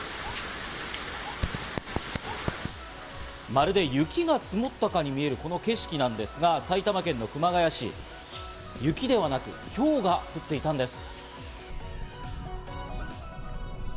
まるで雪が積もったかに見えるこの景色なんですが、埼玉県の熊谷市、雪ではなく、ひょうが降っていたんです。